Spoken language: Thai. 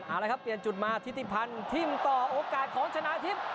อาละครับเปลี่ยนจุดมาทิศตี่ปันที่มต่อโอกาสของชนะทิศ